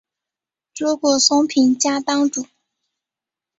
竹谷松平家当主。